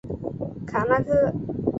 卡那刻。